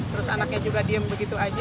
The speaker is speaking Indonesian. terus anaknya juga diem begitu aja